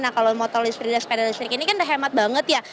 nah kalau motor listrik dan sepeda listrik ini kan udah hemat banget ya